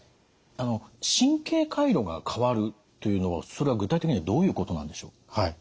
あの神経回路が変わるというのはそれは具体的にはどういうことなんでしょう？